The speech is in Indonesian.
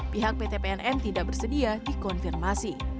pihak pt pnm tidak bersedia dikonfirmasi